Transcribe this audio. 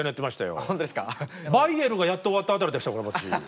「バイエル」がやっと終わったあたりでしたから私。